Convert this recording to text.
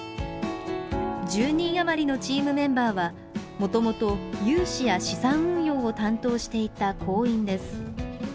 １０人余りのチームメンバーはもともと、融資や資産運用を担当していた行員です。